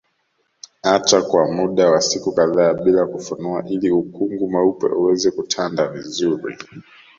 Acha kwa muda wa siku kadhaa bila kufunua ili ukungu mweupe uweze kutanda vizuri